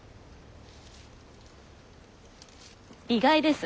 意外です。